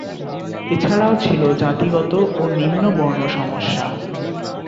এ ছাড়াও ছিল জাতিগত ও নিম্নবর্ণ সমস্যা।